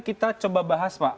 kita coba bahas pak